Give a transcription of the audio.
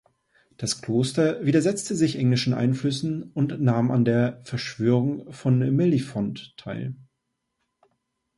Das Kloster widersetzte sich englischen Einflüssen und nahm an der "Verschwörung von Mellifont" teil.